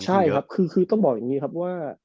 ใช่ครับคือต้องบอกอย่างนี้ครับว่า